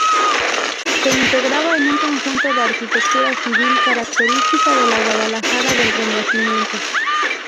Se integraba en un conjunto de arquitectura civil característica de la Guadalajara del Renacimiento.